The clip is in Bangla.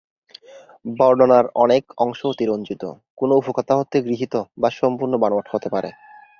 বর্ণনার অনেক অংশ অতিরঞ্জিত, কোনো উপকথা হতে গৃহীত বা সম্পূর্ণ বানোয়াট হতে পারে।